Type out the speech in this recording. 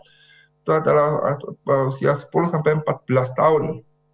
itu adalah usia sepuluh sampai empat belas tahun